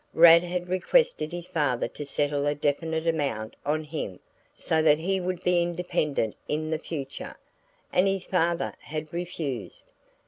Rad had requested his father to settle a definite amount on him so that he would be independent in the future, and his father had refused.